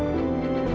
aku akan mengingatmu